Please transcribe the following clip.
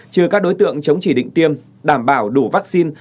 trừ các đối tượng chống chỉ định tiêm đảm bảo đủ vaccine